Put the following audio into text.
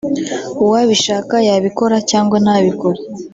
uwabishaka yabikora cyangwa ntabikore